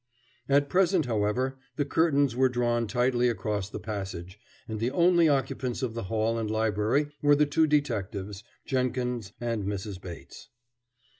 At present, however, the curtains were drawn tightly across the passage, and the only occupants of the hall and library were the two detectives, Jenkins, and Mrs. Bates.